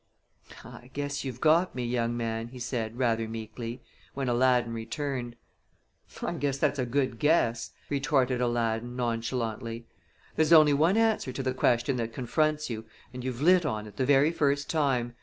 "I guess you've got me, young man," he said, rather meekly, when Aladdin returned. "I guess that's a good guess," retorted Aladdin, nonchalantly. "There's only one answer to the question that confronts you, and you've lit on it the very first time.